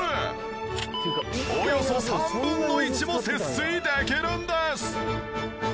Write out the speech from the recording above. およそ３分の１も節水できるんです！